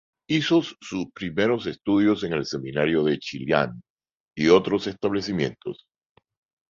Hizo sus primeros estudios en el Seminario de Chillán y otros establecimientos.